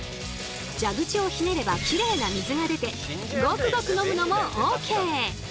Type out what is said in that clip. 蛇口をひねればキレイな水が出てゴクゴク飲むのもＯＫ！